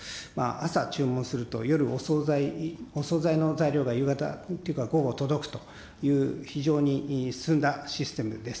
朝注文すると、夜お総菜の材料が、夕方というか、午後届くという、非常に進んだシステムです。